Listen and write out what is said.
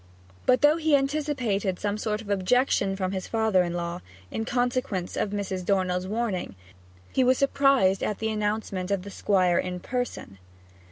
But though he anticipated some sort of objection from his father in law, in consequence of Mrs. Dornell's warning, he was surprised at the announcement of the Squire in person.